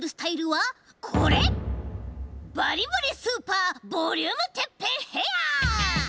バリバリスーパーボリュームてっぺんヘア！